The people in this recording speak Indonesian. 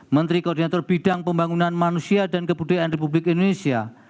menteri koordinator bidang pembangunan manusia dan kebudayaan republik indonesia